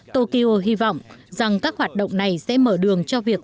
tô kiều hy vọng rằng các hoạt động này sẽ mở đường cho việc